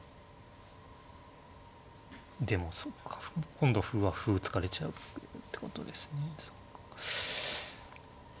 でもそうか今度歩は歩突かれちゃうってことですね。